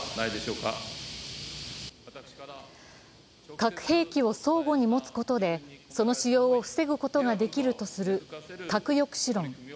核兵器を相互に持つことでその使用を防ぐことができるとする核抑止論。